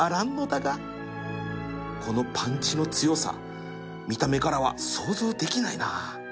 このパンチの強さ見た目からは想像できないなあ